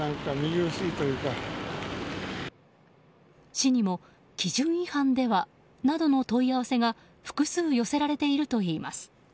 市にも、基準違反ではなどの問い合わせが複数寄せられているといいます。